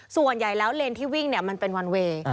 ส่วนใหญ่แล้วเลนที่วิ่งมันเป็นวันเวย์